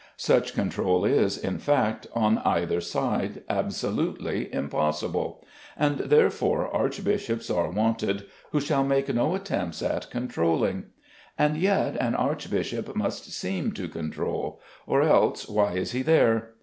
Such control is, in fact, on either side absolutely impossible; and, therefore, archbishops are wanted who shall make no attempts at controlling. And yet an archbishop must seem to control, or, else, why is he there?